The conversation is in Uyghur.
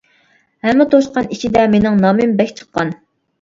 ھەممە توشقان ئىچىدە، مېنىڭ نامىم بەك چىققان.